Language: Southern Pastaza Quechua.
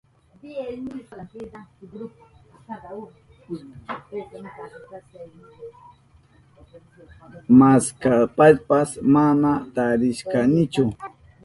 Maskashpapas mana tarishkanichu.